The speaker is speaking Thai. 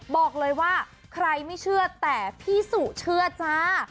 บอกเลยว่าใครไม่เชื่อแต่พี่สุเชื่อจ้า